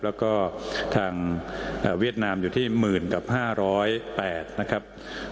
แล้วก็ทางเวียดนามอยู่ที่หมื่นกับ๕๐๘นะครับ